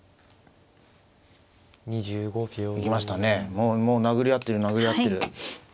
もうもう殴り合ってる殴り合ってる。